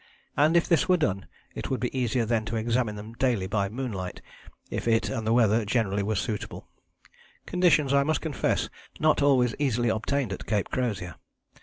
And if this were done it would be easier then to examine them daily by moonlight, if it and the weather generally were suitable: conditions, I must confess, not always easily obtained at Cape Crozier.